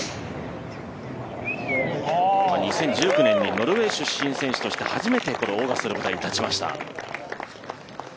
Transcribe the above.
２０１９年にノルウェー出身選手として初めて、このオーガスタの舞台に立ちました。